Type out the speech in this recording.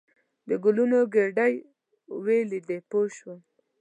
د ګلونو ګېدۍ ولیدې پوه شوم.